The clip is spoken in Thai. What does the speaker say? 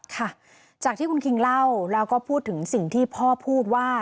ค่ะจากที่คุณคิงเล่าแล้วก็พูดถึงสิ่งที่พ่อพูดว่า